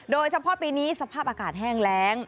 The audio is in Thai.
โดยเฉพาะปีนี้สภาพอากาศแห้งแรง